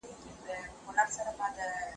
ولي زده کوونکي په خپله ژبه کي ځان څرګندوي؟